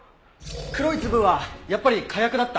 黒い粒はやっぱり火薬だった。